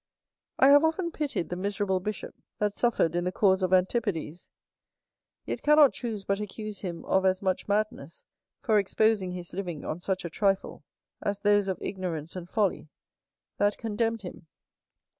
I have often pitied the miserable bishop that suffered in the cause of antipodes; yet cannot choose but accuse him of as much madness, for exposing his living on such a trifle, as those of ignorance and folly, that condemned him.